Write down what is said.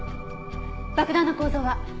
爆弾の構造は？